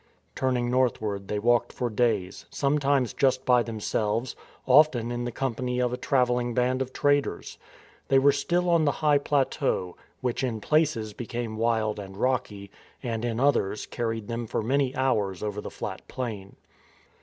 Turning northward they walked for days, sometimes just by themselves, often in the company of a travel ling band of traders. They were still on the high plateau, which in places became wild and rocky, and in others carried them for many hours over the flat plain.